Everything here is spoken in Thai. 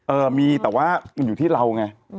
เออมีแต่ว่ามันอยู่ที่เราไง